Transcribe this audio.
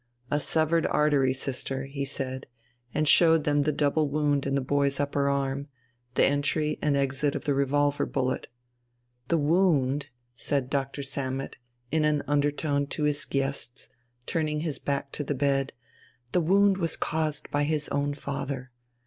"A severed artery, sister," he said, and showed them the double wound in the boy's upper arm, the entry and exit of the revolver bullet. "The wound," said Doctor Sammet in an undertone to his guests, turning his back to the bed, "the wound was caused by his own father.